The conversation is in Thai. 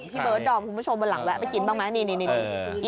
พี่เบิร์ดดอมคุณผู้ชมบนหลังแล้วไปกินบ้างไหมนี่นี่นี่